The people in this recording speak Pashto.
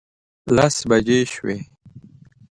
لس بجې شوې.